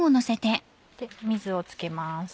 水をつけます。